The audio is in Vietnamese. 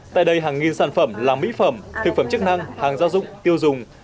tại đây hàng nghìn sản phẩm là mỹ phẩm thực phẩm chức năng hàng gia dụng tiêu dùng